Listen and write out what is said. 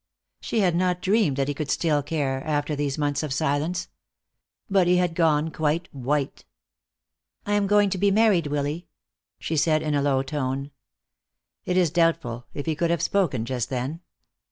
She had not dreamed that he could still care, after these months of silence. But he had gone quite white. "I am going to be married, Willy," she said, in a low tone. It is doubtful if he could have spoken, just then.